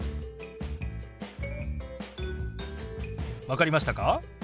分かりましたか？